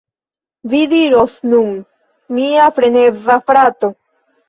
Vi diros nun: "Mia freneza frato!